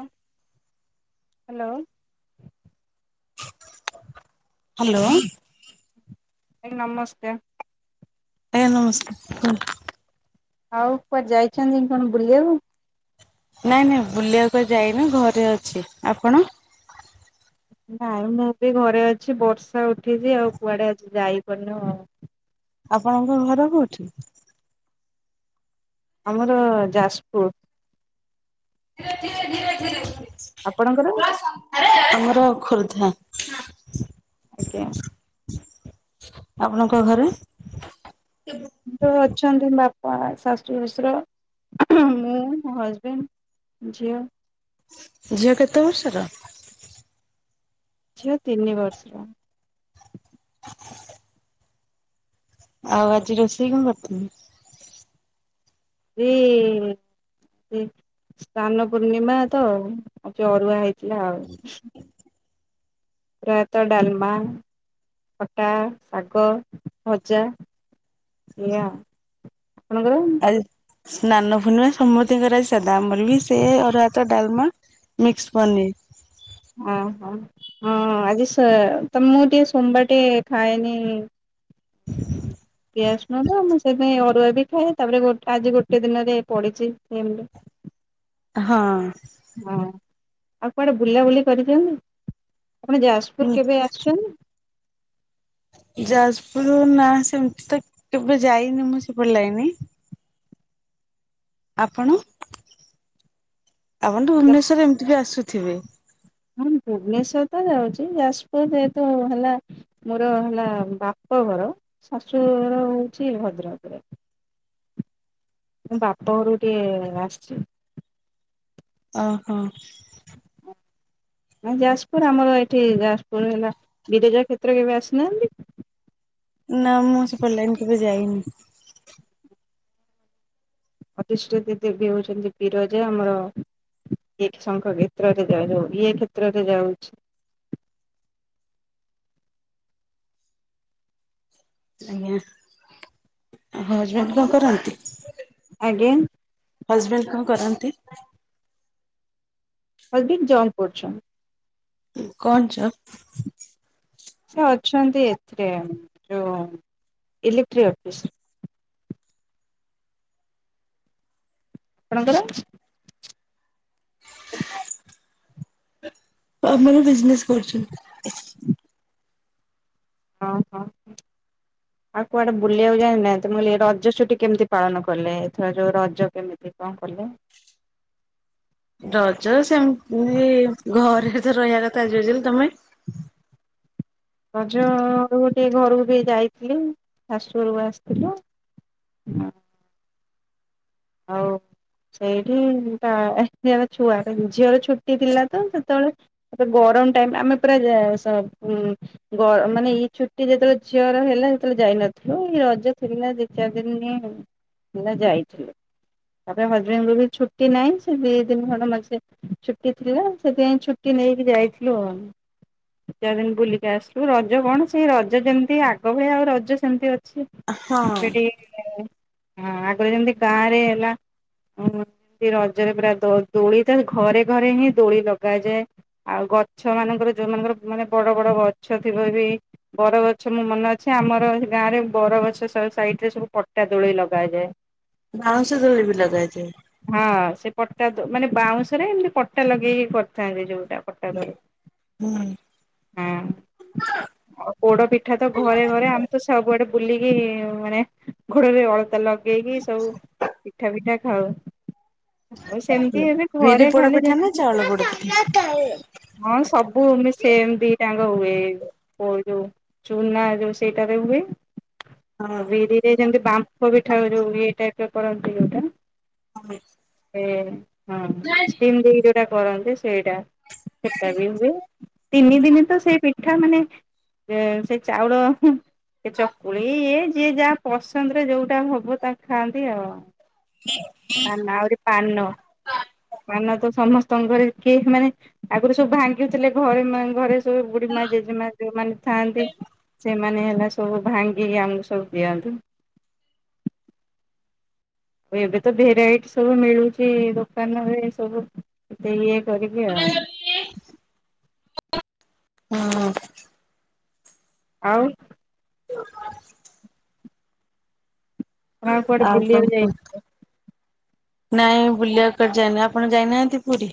ଉଁ, hello. Hello. ଭାଇ ନମସ୍କାର। ନମସ୍କାର, କୁହନ୍ତୁ? ଆଉ କୁଆଡେ ଯାଇଛନ୍ତି କଣ ବୁଲିବାକୁୁ? ନାଇଁ ନାଇଁ ବୁଲିଆକୁ କୁଆଡେ ଯାଇନି ଘରେ ଅଛି, ଆପଣ? ନାଇଁ ମୁଁ ବି ଘରେ ଅଛି ବର୍ଷା ଉଠିଛି ଆଉ କୁଆଡ଼େ ଆଜି ଯାଇପାରୁନୁ ଆଉ। ଆପଣଙ୍କ ଘର କୋଉଠି? ଆମର ଯାଜପୁର। ଧୀରେ ଧୀରେ ଧୀରେ ଧୀରେ। ଆପଣଙ୍କର? ଆମର ଖୋର୍ଦ୍ଧା। ଆଜ୍ଞା। ଆପଣଙ୍କ ଘରେ? ଯୋଉ ଅଛନ୍ତି ବାପା, ଶାଶୁ, ଶ୍ୱଶୁର, ମୁଁ, ମୋ ହଜବେଣ୍ଡ। ଝିଅ। ଝିଅ କେତେ ବର୍ଷର? ଝିଅ ତିନି ବର୍ଷର। [inaudible] ଆଉ ଆଜି ରୋଷେଇ କଣ କରିଥିଲ? ଜି ସ୍ନାନ ପୂର୍ଣ୍ଣିମା ତ ଆଜି ଅରୁଆ ହେଇଛି। ହେଲା ଆଉ। ପ୍ରାୟତଃ ଡାଲମା, ଖଟା, ଶାଗ ଭଜା। ଏୟା, ଆପଣଙ୍କର? ଆଜି ସ୍ନାନ ପୂର୍ଣିମା ସମତିଙ୍କ ର ଆଜି ଶାଧା ଆମର ବି ସେ ଅରୁଆ ଭାତ, ଡାଲମା। ମିକ୍ସ ପନିର୍। ଓ ହୋ ହଁ ଆଜି ସୋ ତ ମୁଁ ଟିକେ ସୋମବାର ଟିକେ ଖାଏନି। ପିଆଜ ରସୁଣ ତ ମୁଁ ସେଇ ପାଇଁ ଅରୁଆ ବି ଖାଏ ତାପରେ ଗୋଟେ ଆଜି ଗୋଟେ ଦିନରେ ପଡିଛିସେମ। [inaudible] ହଁ। ହଁ, ଆଉ କୁଆଡେ ବୁଲାବୁଲି କରିଛନ୍ତି? ଆପଣ ଯାଜପୁର କେବେ ଆସିଛନ୍ତି? ଯାଜପୁର ନା ସେମତି ତ କେବେ ଯାଇନି ମୁଁ ସେପଟ ଲାଇନି। ଆପଣ? ଆପଣ ତ ଯାଜପୁର ଭୁବନେଶ୍ଵରରେ ଏମିତି ବି ଆସୁଥିବେ। ହଁ ଭୁବନେଶ୍ଵର ତ ଯାଉଛି। ଯାଜପୁର ଏତ ହେଲା ମୋର ହେଲା ବାପଘର, ଶାଶୁଘର ହେଉଛି ଭଦ୍ରକରେ। ମୁଁ ବାପ ଘରୁକୁ ଟିକେ ଆସିଛି। ଓହୋ। [inaudible] ନାଇ ଯାଜପୁର ଆମର ଏଇଠି ଯାଜପୁର ହେଲା ବିରେଜା କ୍ଷେତ୍ର କେବେ ଆସିନାହାନ୍ତି? ନା ମୁଁ ସେପଟ ଲାଇନ୍ କେବେ ଯାଇନି। ଅଧିଷ୍ଠିତ ଦେବୀ ହଉଛନ୍ତି ବିରଜା ଆମର। ଇଏ ଶଙ୍ଖ କ୍ଷେତ୍ରରେ ଯାଉନି ଇଏ କ୍ଷେତ୍ରରେ ଯାଉଚି। ଆଜ୍ଞା। ହଜବେଣ୍ଡ କଣ କରନ୍ତି? ଆଜ୍ଞା। ହଜବେଣ୍ଡ କଣ କରନ୍ତି? ହଜବେଣ୍ଡ ଜବ୍ କରୁଛନ୍ତି। କଣ ଜବ୍? ସେ ଅଛନ୍ତି ଏଥିରେ, ଯୋଉ ଇଲେକ୍ଟ୍ରି ଅଫିସ୍ ରେ। ଆପଣଙ୍କର ଆମର ବିଜନେସ୍ କରୁଛନ୍ତି। ଅ ହଁ। ଆଉ କୁଆଡ଼େ ବୁଲିବାକୁ ଯାଇନାହାନ୍ତି? ମୁଁ କହିଲି ରଜ କେମିତି ପାଳନ କଲେ? ଏଥର ଯୋଉ ରଜ କେମିତି କଣ କଲେ? ରଜ ସେମତି, ଘରେ ତ ରହିବା କଥା ଯିଏ ଯେମିତି। ତମେ? [inaudible] ରଜ ଘର କୁ ଟିକେ ଘରକୁ ବି ଯାଇଥିଲି। ଶାଶୁ ଘରକୁ ଆସିଥିଲୁ। ହଉ। ସେଇଠି ତା [unintelligible] ଛୁଆଟେ, ଝିଅର ଛୁଟି ଥିଲା ତ ସେତେବେଳେ ଆରେ ଗରମ ଟାଇମ୍ ଆମେ ପୁରା। [unintelligible] ଗ ମାନେ, ଏଇ ଛୁଟି ଯେତେବେଳେ ଝିଅର ହେଲା ସେତେବେଳେ ଯାଇନଥିଲୁ। ଏ ରଜ ଥିଲା ଦି ଚାରି ଦିନି ଆଉ। ହେରା ଯାଇଥିଲେ। ତାପରେ ହଜବେଣ୍ଡକୁ ବି ଛୁଟି ନାହିଁ। ସେ ଦି ଦିନି ଖଣ୍ଡେ ମଝିରେ ଛୁଟି ଥିଲା, ସେଥିପାଇଁ ଛୁଟି ନେଇକି ଯାଇଥିଲୁ ଆଉ। ଦୁଇ ଚାରି ଦିନି ବୁଲିକି ଆସିଲୁ। ରଜ କଣ, ସେଇ ରଜ ଯେମିତି ଆଗ ଭଳିଆ ଆଉ ରଜ ସେମିତି ଅଛି। ହଁ [unintelligible] ହଁ ଆଗରୁ ଯେମିତି ଗାଁରେ ହେଲା ଅ ହଁ। ଏ ରଜରେ, ପୁରା ଦୋ ଦୋଳି ତ ଘରେ ଘରେ ହିଁ ଦୋଳି ଲଗାଯାଏ। ଆଉ ଗଛ ମାନଙ୍କରେ ଯୋଉମାନଙ୍କର ମାନେ ବଡ ବଡ ଗଛ ଥିବ ବି ବର ଗଛ ମୋର ମନେ ଅଛି, ଆମର ହେ ଗାଁରେ ବରଗଛ ସାଇଟ୍ ରେ ସବୁ ପଟା ଦୋଳି ଲଗାଯାଏ। ବାଉଁଶ ଦୋଳି ବି ଲଗାଯାଏ। ହଁ। ସେ ପଟା, ମାନେ ବାଉଁଶରେ ଏମିତି ପଟା ଲଗେଇକି କରିଥାନ୍ତି ଯୋଉଟା। ପଟା ଦୋଳି। ହୁଁ ହଁ। ଆଉ ପୋଡ ପିଠା ତ ଘରେ ଘରେ ଆମେ ତ ସବୁଆଡେ ବୁଲିକି ମାନେ ଗୋଡରେ ଅଳତା ଲଗ ଲଗେଇକି ସବୁ ପିଠା ପିଠା ଖାଉ। ଆଉ ସେମିତି ଏବେ ବିରି ଘରେ ଖାଲି ପୋଡପିଠା ନା ଯେମିତି ଚାଉଳ ପୋଡପିଠା? ହଁ ସବୁ ମି ସେମ୍ ଦିଟା ଆଙ୍କ ହୁଏ। ପୋଇ ଦଉ। ଚୁନା ଯୋଉ ସେଇଟାରେ ହୁଏ। ହଁ। ବିରିରେ ଯେମତି ବାମ୍ଫ ପିଠା ଯୋଉ ହୁଏ ଇଏ ଟାଇପ୍ କରନ୍ତି ଯଉଟା [unintelligible] ସେ ହଁ ଷ୍ଟିମ୍ ଦେଇ ଯୋଉଟା କରନ୍ତି ସେଇଟା। ସେଟା ବି ହୁଏ। ତିନି ଦିନି ତ ସେ ପିଠା ମାନେ ସେ ଚାଉଳ ହୁଁ। ଏ ଚକୁଳି ଇଏ ଯିଏ ଯାହା ପସନ୍ଦରେ ଯୋଉଟା ହବ ତା ଖା ନ୍ତି ଆଉ। ପାନା ଆହୁରି ପାନ। ପାନ ତ ସମସ୍ତଙ୍କ ଘରେ କିଏ ମାନେ ଆଗରୁ ସବୁ ଭାଙ୍ଗୁଥିଲେ ଘରେ ମାନେ ଘରେ ସେ ବୁଢୀମା, ଜେଜେମା ଯୋଉମାନେ ଥାଆନ୍ତି ସେମାନେ ହେଲା ସବୁ ଭାଙ୍ଗିକି ଆମକୁ ସବୁ ଦିଅନ୍ତି। ଏବେ ତ ଭେରାଇଟ୍ ସବୁ ମିଳୁଚି ଦୋକାନରେ ସବୁ। [unintelligible] କରିବି ଆଉ। ହଁ ହଁ। ଆଉ [unintelligible] ଆପଣ କୁଆଡେ ଆଉ କ ବୁଲିବାକୁ କହୁ ଯାଇ ନାଇଁ ବୁଲିବା କୁଆଡେ ଯାଏନି ଆପଣ ଯାଇନାହାନ୍ତି ପୁରୀ?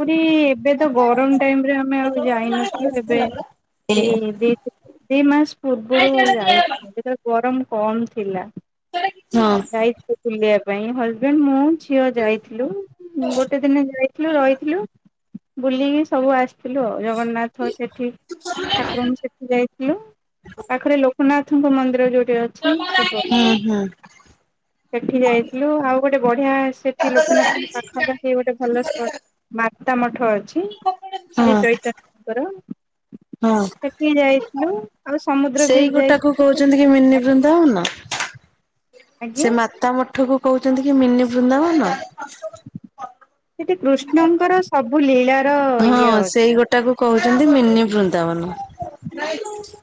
ପୁରୀ ଏବେ ତ ଗରମ ଟାଇମରେ ଆମେ ଆଉ ଯାଇନଥିଲୁ ଏବେ। ଏ ଦ ଦି ଦି ମାସ ହଁ ପୂର୍ବରୁ ହଁ ଯାଇଥିଲେ। ଗରମ କମ ଥିଲା। ହଁ। ଯାଇ ଥିଲୁ ବୁଲିବା ପାଇଁ ହଜବେଣ୍ଡ ମୁଁ ଝିଅ ଯାଇଥିଲୁ ଗୋଟେ ଦିନ ଯାଇଥିଲୁ ର ବୁଲିିକି ସବୁ ଆସ ଥିଲୁ ଆ ଜଗନ୍ନାଥ ସେଠି ଠାକୁରଙ୍କୁ ସେଠି ଯାଇଥିଲୁ ପାଖରେ ଲୋକନାଥ ଙ୍କ ମନ୍ଦିର ଯୋଉଠି ଅଛି ଶିବ ମ ସେଠି ଯାଇଥିଲୁ ଆଉ ଗୋଟେ ବଢିଆ ସେଠି ଲୋକନାଥଙ୍କ ପାଖାପାଖି ଗୋଟେ ଭଲ ସ୍ପଟ ମାତା ମଠ ଅଛି ଶ୍ରୀ ଚୈଚନ୍ୟ୍ରଙ୍କର ହଁ ସେଠି ଯାଇଥିଲୁ ଆଉ ସମୁଦ୍ର ବି ସେଇ ଯାଇ ଗୋଟାକୁ କହୁଛନ୍ତି କି ମିନି ବୃନ୍ଦାବନ। ଆଜ୍ଞା ସେ ମାତା ମ ଆଠକୁ କହୁଛନ୍ତି କି ମିନି ବୃନ୍ଦାବନ। ସେଠି କୃଷ୍ଣଙ୍କର ସବୁ ଲୀଳାର ଇଏ ହଁ ସେଇ ଅଛି। ଗୋଟାକୁ କହୁଛନ୍ତି ମିନି ବୃନ୍ଦାବନ।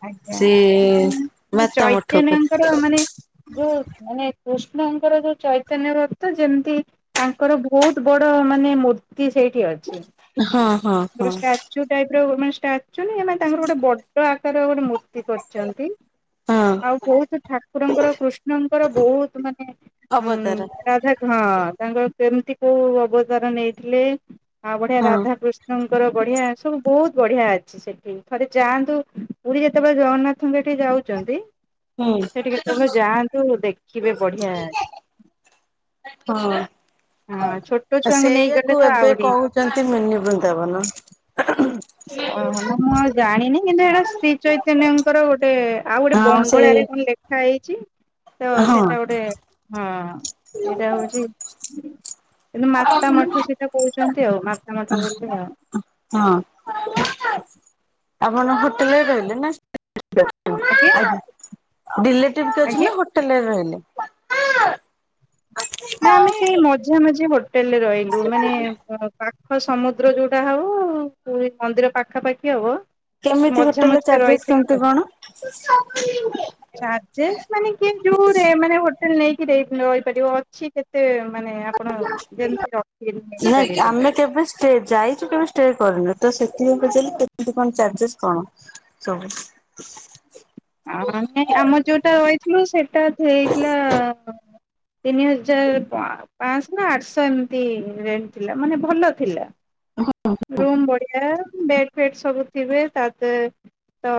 ଆଜ୍ଞା ସିଏ ମାନେ ସେ ମାତା ମୁଠକୁ ଚୈତନ୍ୟଙ୍କର ମାନେ ଯୋଉ ମାନେ କୃଷ୍ଣଙ୍କର ଯୋଉ ଚୈତନ୍ୟ ଭକ୍ତ ଯେମିତି ତାଙ୍କର ବହୁତ ବଡ ମାନେ ମୂର୍ତ୍ତି ସେଇଠି ଅଛି। ହଁ ହଁ ହଁ। ଚୁ ଟାଇପ୍ର ଓମେନଟା ଆକଚୁଆଲି ମାନେ ତାଙ୍କର ଗୋଟେ ବଡ ଆକାର ଗୋଟେ ମୂର୍ତ୍ତି କରିଛନ୍ତି। ହଁ। ଆଉ ବହୁତ ଠାକୁରଙ୍କର କୃଷ୍ଣଙ୍କର ବହୁତ ମାନେ ଉ ଅବତାର ହଁ ତାଙ୍କର କେମିତି କୋଉ ଅବତାର ନେଇଥିଲେ ଆଉ ବଢିଆ ହଁ ରାଧାକୃଷ୍ଣ ଙ୍କର ବଢିଆ ସବୁ ବହୁତ ବଢିଆ ଅଛି। ସେଠି ଥରେ ଯାଆନ୍ତୁ ପୁରୀ ଯେତେବେଳେ ଜଗନ୍ନାଥଙ୍କ ଏଠି ଯାଉଛନ୍ତି ହୁଁ। ସେଠି କେତେବେଳେ ଯାଆନ୍ତୁ ଦେଖିବେ ବଢିଆଛି। ଛୋଟ ହଁ ଛୁଆଙ୍କୁ ନେଇଗଲେ ସେଇଆକୁ ତ ଏବେ ଆହୁରି କହୁ ଯାଆନ୍ତି ମିନି ବୃନ୍ଦାବନ। ଓହ ନା ମୁଁ ଆଉ ଜାଣିନି କିନ୍ତୁ ଏଇଟା ଶ୍ରୀ ଚୈତନ୍ୟଙ୍କର ଗୋଟେ ଆଉ ଗୋଟେ ହଁ ସେଇ ବଙ୍ଗଳାରେ କଣ ଲେଖ ଖ ହେଇଛି ତ ହଁ। ସେଇଟା ଗୋଟେ ହଁ। ସେଇଟା [unintelligible] ହଉଛି କିନ୍ତୁ ମାତା ମଠ ସେଇଟା କହୁଛନ୍ତି ଆଉ ମାତା ମଠ ବୋଲି ଆଉ। ହଁ। ଆପଣ ହୋଟେଲରେ ରହିଲେ ନା ଆଜ୍ଞା? ରିଲେଟିଭ କି ଅ ଆଜ୍ଞା ନା ହୋଟେଲରେ ରହିଲେ? ନା ଆମେ ସେଇ ମଝ ମଝି ହୋଟେଲରେ ରହିଲୁ ମାନେ [unintelligible] ହ ସମୁଦ୍ର ଯୋଉଟା ହଉ ମନ୍ଦିର ପାଖାପାଖି ହବ। କେମିତି ମଝା ହୋଟେଲ ର ମଝିରେ ଚାର୍ଜେସ୍ ରହିଥିଲୁ କେମିତି ଆଉ କଣ? ମାନେ କି ଯୋଉରେ ମାନେ ହୋଟେଲ ନେଇକି ରହିପାରିବ ଅଛି କେ ଏତେ ମାନେ ଆପଣ ଯେମତି ର [unintelligible] ନାଇଁ ନେଇପାରିବେ। ଆମେ କେବେ ଷ୍ଟ ଯାଇଛୁ କେବେ ଷ୍ଟେ କରିନୁ ତ ସେଥିପାଇଁ ବିଲେ କେମତି କଣ ଚାର୍ଜେସ୍ କଣ? ସବ ଆାଇ ଆମର ଯୋଉଟା ରହିଥିଲୁ ସେଟା ହେଇଥିଲା ତିନି ହଜାର ପାଞ୍ଚଶହ ନା ଆଠଶହ ଏମିତି ରେଟ ଥିଲା ମାନେ ଭଲ ଥିଲା। ରୁମ୍ ବଢିଆ ବେଡ଼ ବେ ସବୁ ଥିବେ ତା ତ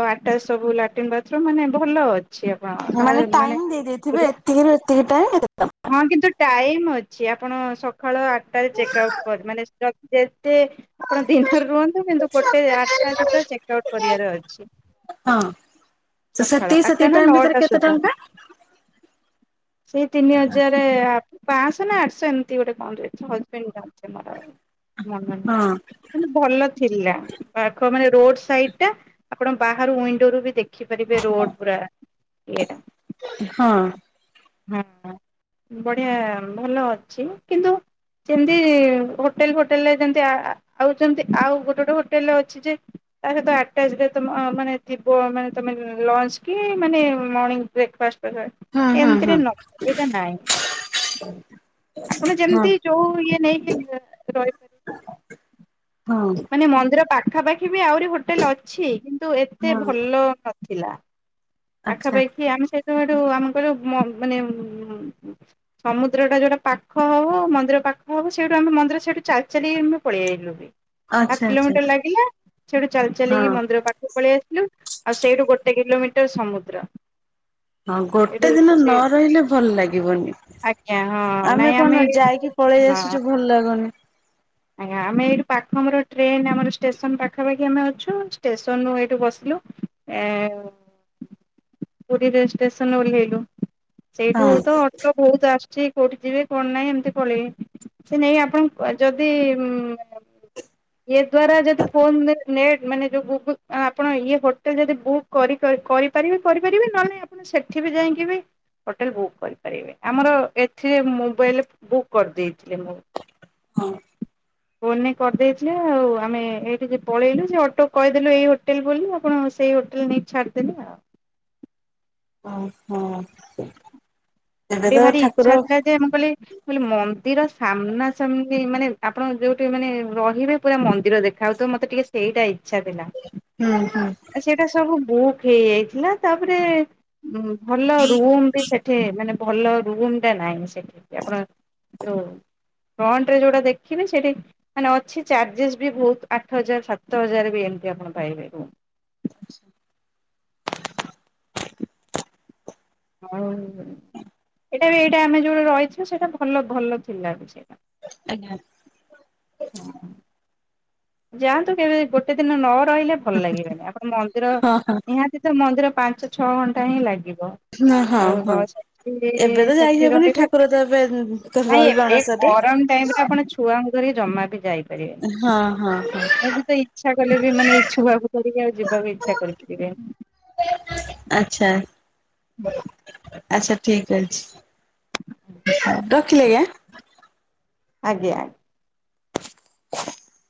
ଆଟାଚ ସବୁ ଲାଟ୍ରନ୍ ବାଥରୁମ ମାନେ ଭଲ ଅଛି ଆ ମାନେ ଟାଇମ ଦେଇେଇଥିବେ ଏତିକିରୁ ଏତିକି ଟାଇମେ ଟ ହଁ କିନ୍ତୁ ଟାଇମ ଅଛି ଆପଣ ସକାଳ ଆଠଟାରେ ଚେକ୍ ଆଉଟ୍ କର ମାନେ ଯେତେ ଆପଣ ଦିନରେ ରୁହନ୍ତୁ କିନ୍ତୁ ଗୋଟେ ଆଠଟା ସୁଦ୍ଧା ଚେକ୍ ଆଉଟ୍ କରିବାର ଅଛି। ହଁ ତ ସଖାଳ ସେତିକି ଆଠଟା ସେତିକି ନା ଟାଇମ ଭିତରେ ନଅଟା କେତେ ସୁଦ୍ଧା। ଟଙ୍କା ସେଇ ତିନି ହଜାର ଆ ପାଅଂଶ ନା ଆଠଶ ଏମିତି ଗୋଟେ ଅ ହଜବେଣ୍ଡ ଜାଣିଛନ୍ତି ଆୋର। ମନର ନାହିଁ। ହଁ କିନ୍ତୁ ଭଲ ଥିଲା। ପାଖ ମାନେ ରୋଡ୍ ସାଇଡ୍ ଟା, ଆପଣ ବାହରୁ ୱିଣ୍ଡୋ ରୁ ବି ଦେଖ ଦେଖିପାରିବେ ରୋଡ୍ ପୁରା ଇଏଟା। ହଁ। ହଁ ହଁ। ବଢ଼ିଆ ଭଲ ଅଛି କିନ୍ତୁ ସେମତି ହୋଟେଲ୍ ଫୋଟେଲ୍ ରେ ଯେମତି ଆ ଆଉ ଯେମିତି ଆଉ ଗୋଟେ ଗୋଟେ ହୋଟେଲ୍ ରେ ଅଛି ଯେ ତା ସହିତ ଆଟାଚ ରେ ମାନେ ଥିବ ମାନେ ତମେ ଲଞ୍ଚ କି ମାନେ ମର୍ଣ୍ଣିଂ ବ୍ରେକ୍ଫାଷ୍ଟ ହଁ ହଁ ହଁ ଏମିତିରେ ନ ଏଟା ନାହିଁ। ଆପଣ ହଁ ଯେମିତି ଯୋଉ ଇଏ ନେଇକି ରହିପାରିବେ। ହଁ। ମାନେ ମନ୍ଦିର ପାଖାପାଖି ବି ଆହୁରି ହୋଟେଲ୍ ଅଛି, କିନ୍ତୁ ଏତେ ହଁ ଭଲ ଥିଲା ଆଚ୍ଛା ପାଖାପାଖି ଆମେ ସେଇତ ହେଠୁ ଆମେ କହିଲୁ ମାନେ ମ ସମୁଦ୍ରଟା ଯେଉଟା ପାଖ ହେବ ମନ୍ଦିର ପାଖ ହେବ, ସେଇଠୁ ଆମେ ମନ୍ଦିର ସେଇଠୁ ଚାଲି ଚାଲି ଆମେ ପଳେଇ ଆଇଲୁ ବି। ହାପ୍ ଆଚ୍ଛା ଆଚ୍ଛା। କିଲୋମିଟର ଲାଗିଲା, ସେଠୁ ଚାଲି ଚାଲି ହଁ ମନ୍ଦିର ପାଖ ପଳେଇ ଆସିଲୁ। ଆଉ ସେଇଠୁ ଗୋଟେ କିଲୋମିଟର ସମୁଦ୍ର। ହଁ ଏଇଠୁ ଗୋଟେ ଦିନ ସେ ନ ରହିଲେ ଭଲ ଲାଗିବନି। ଆଜ୍ଞା ହଁ ଆମେ ନାଇଁ କଣ ଏଇଠୁ ଯାଇକି ପଳେଇ ହଁ ଆସୁଛୁ ଭଲ ଲାଗୁନି। ଆଜ୍ଞା ଆମେ ଏଇଠୁ ପାଖ ଆମର ଟ୍ରେନ୍ ଆମର ଷ୍ଟେସନ ପାଖାପାଖି ଆମେ ଅଛୁ। ଷ୍ଟେସନରୁ ଏଇଠୁ ବସିଲୁ। ଏ ପୁରୀ ରେ ଷ୍ଟେସନ ଓଲ୍ଲେହେଇଲୁ। ସେଇଠୁ ହଁ ତ ଅଟୋ ବୋହୁତ୍ ଆସୁଛି, କୋଉଠି ଯିବେ କଣ ନାହିଁ ଏମିତି ପଳେଇବେ, ସେ ନେଇକି ଆପଣ ଯଦି ଦି ଉଁ। ଏ ଦ୍ଵାରା ଯଦି ଫୋନ୍ ନେଟ୍ ମାନେ ଯୋଉ ଗୁଗୁଲ ଆପଣ ଇଏ ହୋଟେଲ ଯଦି ବୁକ୍ କରି କରିପାରିବେ କରିପାରିବେ, ନହଲେ ଆପଣ ସେଠି ବି ଯାଇଙ୍କି ବି ହୋଟେଲ ବୁକ୍ କରିପାରିବେ। ଆମର ଏଥିରେ ମୋବାଇଲ୍ ରେ ବୁକ୍ କରିଦେଇଥିଲି ମୁଁ। ହଁ। ଫୋନ୍ ରେ କରିଦେଇଥିଲେ, ଆଉ ଆମେ ଏଇଠି କି ପଳେଇଲୁ, ସେ ଅଟୋ କୁ କହିଦେଲୁ ଏଇ ହୋଟେଲ ବୋଲି ଆପଣ ସେଇ ରେ ନେଇ ଛାଡିଦେଲେ ଆଉ। ଓହୋ। ମୋର ଟିକେ ଭାରି ଇଚ୍ଛା ଥିଲା ଯେ, ମୁଁ କହିଲି କହିଲି ମନ୍ଦିର ସାମ୍ନାସାମ୍ନି ମାନେ ଆପଣ ଯୋଉଠି ମାନେ ରହିବେ ପୁରା ମନ୍ଦିର ଦେଖାହଉଥିବ। ମତେ ଟିକେ ସେଇଟା ଇଚ୍ଛା ଥିଲା। ହୁଁ, ହୁଁ। ସେଇଟା ସବୁ ବୁକ୍ ହେଇଯାଇଥିଲା, ତାପରେ ଭଲ ରୁମ୍ ବି ସେ ଠି, ମାନେ ଭଲ ରୁମ୍ ଟା ନାହିଁ ସେଠି ଆପଣ ଯୋଉ ଫ୍ରଣ୍ଟ ରେ ଯୋଉଟା ଦେଖିବେ ସେଇଠି ମାନେ ଅଛି ଚାର୍ଜେସ୍ ବି ବୋହୁତ୍ ଆଠ ହଜାର ସାତ ହଜାର ବି ଏମିତି ଆପଣ ପାଇବେ ରୁମ୍। ଆଉ ଏଇଟା ବି ଏଇଟା ଆମେ ଯୋଉଟା ରହିଛୁ ସେଇଟା ଭଲ ଭଲ ଥିଲା ବି ସେଇଟା। ଅଜ୍ଞା। ହଁ। ଯାଆନ୍ତୁ କେବେ ଗୋଟେ ଦିନ ନ ରହିଲେ ଭଲ ଲାଗିବନି, ଆପଣ ମନ୍ଦିର ହଁ ହଁ। ନିହାତି ସେ ତ ମନ୍ଦିର ପାଞ୍ଚ ଛଅ ଘଣ୍ଟା ହିଁ ଲାଗିବ। ହଁ ହଁ ଆଉ ହଁ ଗ-ସେଠି, ଏବେ ତ ସେଠି ଯାଇହବନି ରହିବେ ଠାକୁର ତ ଏବେ ନାଇଁ ରହିବେ ଏବେ ଅଣସରରେ। ଗରମ ଟାଇମ୍ ରେ ଆପଣ ଛୁଆଙ୍କୁ ଧରିକି ଜମା ବି ଯାଇପାରିବେନି। ହଁ, ହଁ, ହଁ। ମୁଁ ବି ତ ଇଚ୍ଛା କଲେ ବି ମାନେ ଏ ଛୁଆକୁ ଧରିକି ଆଉ ଯିବାକୁ ବି ଇଚ୍ଛା କରିପାରିବିନି। ଆଛା। [inaudible] ଆଚ୍ଛା ଠିକ୍ ଅଛି ରଖିଲି ଆଜ୍ଞା। ଆଜ୍ଞା। [inaudible]